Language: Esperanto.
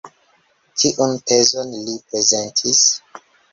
Kiun tezon li prezentis?